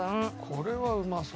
これはうまそう。